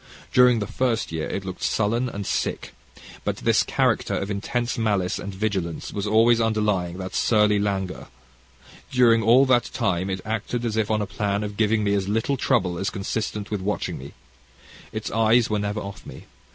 During the first year it looked sullen and sick. But this character of intense malice and vigilance was always underlying that surly languor. During all that time it acted as if on a plan of giving me as little trouble as was consistent with watching me. Its eyes were never off me.